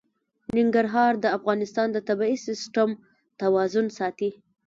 ننګرهار د افغانستان د طبعي سیسټم توازن ساتي.